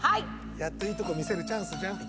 やっといいとこ見せるチャンスじゃん。